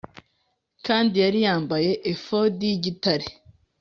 kandi yari yambaye efodi y’igitare.